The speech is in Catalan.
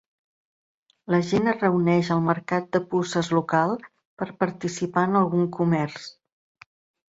La gent es reuneix al mercat de puces local per participar en algun comerç.